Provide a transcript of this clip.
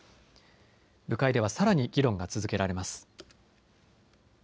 部会ではさらに議論が続けられます。